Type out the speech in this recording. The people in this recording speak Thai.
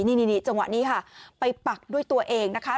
นี่จังหวะนี้ค่ะไปปักด้วยตัวเองนะคะ